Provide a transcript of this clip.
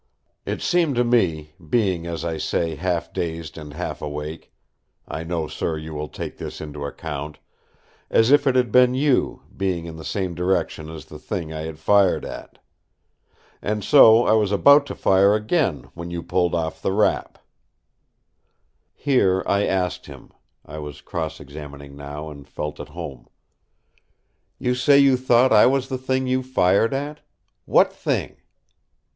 It seemed to me, being as I say half dazed and half awake—I know, sir, you will take this into account—as if it had been you, being in the same direction as the thing I had fired at. And so I was about to fire again when you pulled off the wrap." Here I asked him—I was cross examining now and felt at home: "You say you thought I was the thing you fired at. What thing?"